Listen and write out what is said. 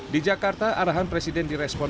di jakarta arahan presiden direspon